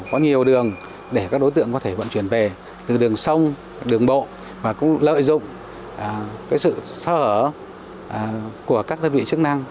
có nhiều đường để các đối tượng có thể vận chuyển về từ đường sông đường bộ và cũng lợi dụng sự sơ hở của các đơn vị chức năng